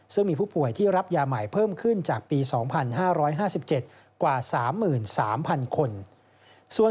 ซึ่งมีผู้ป่วยที่รับยาใหม่เพิ่มขึ้นจากปี๒๕๕๗กว่า๓๓๐๐๐คน